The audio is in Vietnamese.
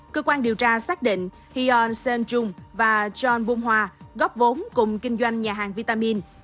cơ quan điều tra xác định hion sen chung và john bung hoa góp vốn cùng kinh doanh nhà hàng vitamin